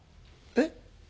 えっ！？